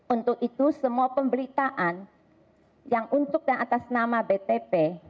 untuk itu semua pemberitaan yang untuk dan atas nama btp